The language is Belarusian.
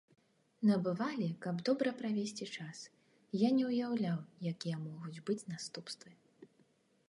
Набывалі, каб добра правесці час, я не ўяўляў, якія могуць быць наступствы.